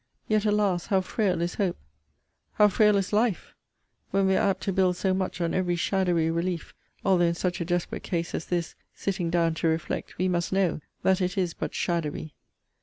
Yet, alas! how frail is hope How frail is life; when we are apt to build so much on every shadowy relief; although in such a desperate case as this, sitting down to reflect, we must know, that it is but shadowy!